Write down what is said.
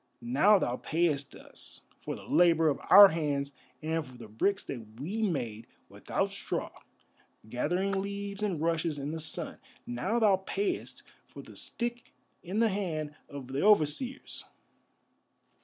Now thou payest us for the labour of our hands and for the bricks that we made without straw, gathering leaves and rushes in the sun. Now thou payest for the stick in the hand of the overseers.